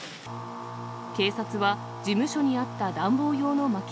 警察は事務所にあった暖房用のまき